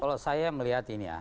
kalau saya melihat ini ya